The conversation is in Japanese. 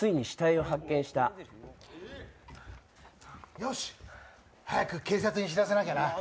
よし、早く警察に知らせなきゃな。